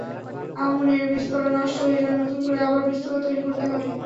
আমনের বীজতলা নষ্ট হয়ে যাওয়ায় নতুন করে আবার বীজতলা তৈরি করতে হবে।